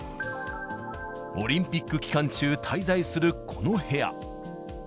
オリンピック期間中、滞在するこの部屋。